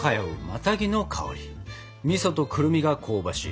みそとくるみが香ばしい